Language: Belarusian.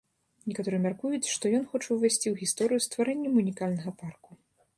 Некаторыя мяркуюць, што ён хоча ўвайсці ў гісторыю стварэннем унікальнага парку.